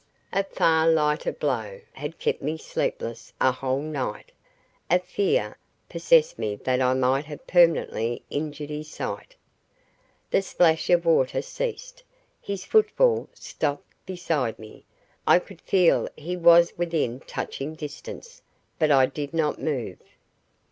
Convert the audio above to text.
A far lighter blow had kept me sleepless a whole night. A fear possessed me that I might have permanently injured his sight. The splash of water ceased. His footfall stopped beside me. I could feel he was within touching distance, but I did not move.